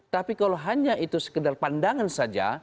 tapi kalau hanya itu sekedar pandangan saja